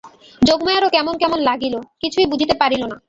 যোগমায়ারও কেমন কেমন লাগিল, কিছুই বুঝিতে পারিল না।